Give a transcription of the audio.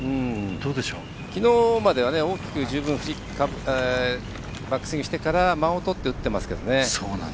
きのうまでは大きく十分、バックスイングしてから間をとって打ってますよね。